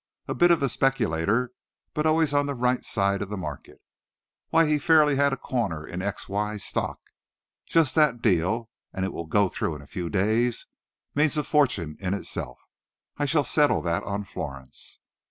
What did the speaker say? A bit of a speculator, but always on the right side of the market. Why, he fairly had a corner in X.Y. stock. Just that deal and it will go through in a few days means a fortune in itself. I shall settle that on Florence."